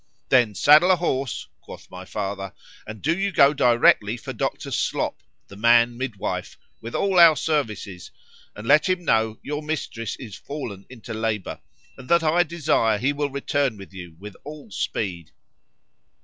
—Then saddle a horse, quoth my father, and do you go directly for Dr. Slop, the man midwife, with all our services,——and let him know your mistress is fallen into labour——and that I desire he will return with you with all speed.